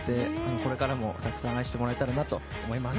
これからもたくさん愛してもらえたらなと思います。